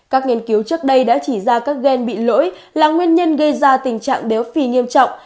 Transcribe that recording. các nghiên cứu trước đây đã chỉ ra các gen bị lỗi là nguyên nhân gây ra tình trạng béo phì nghiêm trọng